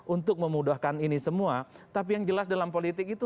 untuk memudahkan ini semua tapi yang jelas dalam politik itu